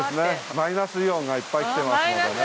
マイナスイオンがいっぱいきてますのでね。